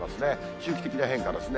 周期的な変化ですね。